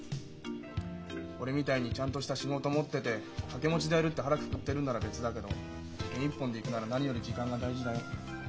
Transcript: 俺みたいにちゃんとした仕事持ってて掛け持ちでやるって腹くくってるんなら別だけど受験一本でいくなら何より時間が大事だよ。